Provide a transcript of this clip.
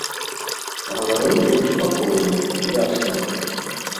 Гаварыў ён спакойна, ясна.